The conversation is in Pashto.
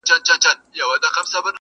د هغه سړي یې مخ نه وي کتلی -